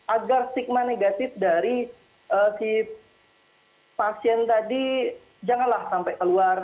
agar stigma negatif dari si pasien tadi janganlah sampai keluar